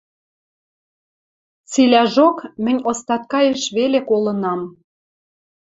Цилӓжок мӹнь остаткаэш веле колынам...